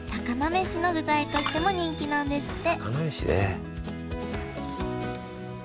めしの具材としても人気なんですって！